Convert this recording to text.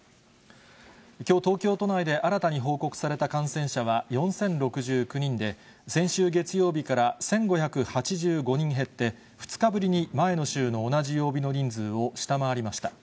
きょう、東京都内で新たに報告された感染者は、４０６９人で、先週月曜日から１５８５人減って、２日ぶりに前の週の同じ曜日の人数を下回りました。